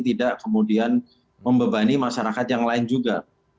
tidak kemudian membebani masyarakat yang lain juga